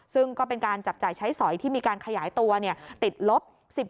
ซึ่งก็เป็นการจับจ่ายใช้สอยที่มีการขยายตัวติดลบ